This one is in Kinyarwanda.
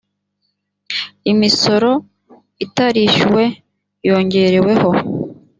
imisoro itarishyuwe yongereweho.